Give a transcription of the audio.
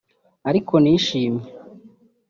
Ariko nishimye